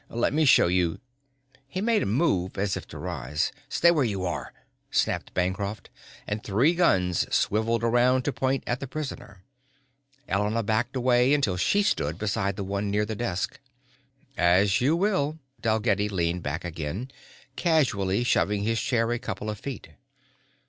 Let me show you " He made a move as if to rise. "Stay where you are!" snapped Bancroft, and three guns swiveled around to point at the prisoner. Elena backed away until she stood beside the one near the desk. "As you will." Dalgetty leaned back again, casually shoving his chair a couple of feet.